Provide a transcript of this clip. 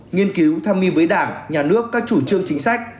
nghiên cứu tham mưu với đảng nhà nước các chủ trương chính sách